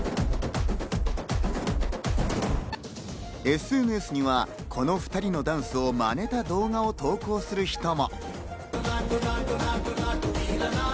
ＳＮＳには、この２人のダンスをマネた動画を投稿する人も。